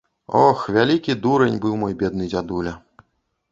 Ох, вялікі дурань быў мой бедны дзядуля.